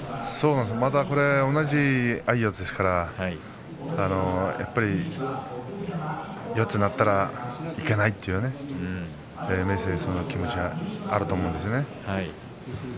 またこれは同じ相四つですからやっぱり四つになったらいけないという明生、そんな気持ちがあると思うんですね。